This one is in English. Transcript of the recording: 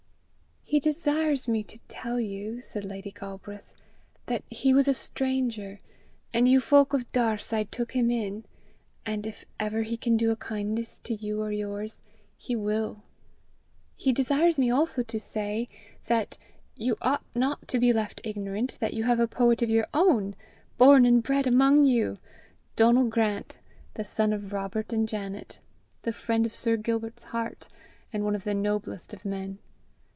"He desires me to tell you," said Lady Galbraith, "that he was a stranger, and you folk of Daurside took him in, and if ever he can do a kindness to you or yours, he will. He desires me also to say, that you ought not to be left ignorant that you have a poet of your own, born and bred among you Donal Grant, the son of Robert and Janet, the friend of Sir Gilbert's heart, and one of the noblest of men.